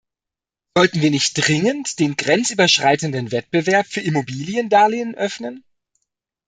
Sollten wir nicht dringend den grenzüberschreitenden Wettbewerb für Immobiliendarlehen öffnen?